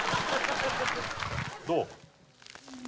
どう？